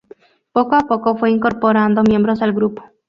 Poco a poco fue incorporando miembros al grupo.